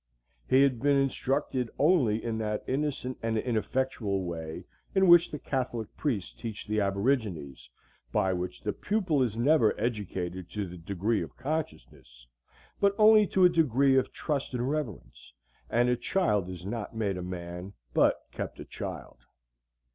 He had been instructed only in that innocent and ineffectual way in which the Catholic priests teach the aborigines, by which the pupil is never educated to the degree of consciousness, but only to the degree of trust and reverence, and a child is not made a man, but kept a child.